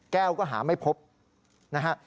แก้วก็หาไม่พบนะฮะ